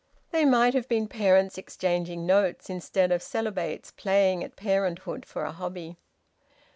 They might have been parents exchanging notes, instead of celibates playing at parenthood for a hobby.